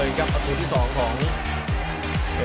อันดับสุดท้ายของมันก็คือ